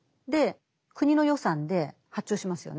国の予算で発注しますよね。